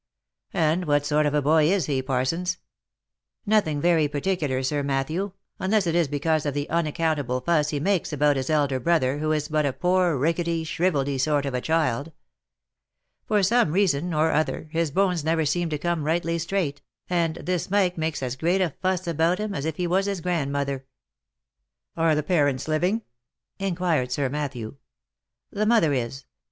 " And what sort of a boy is he, Parsons V " Nothing very particular, Sir Matthew, unless it is because of the unaccountable fuss he makes about his elder brother, who is but a poor rickety, shriveldy sort of a child. For some reason or other, his bones never seemed to come rightly straight, and this Mike makes as great a fuss about him, as if he was his grand mother," "Are the parents living?" inquired Sir Matthew. " The mother is.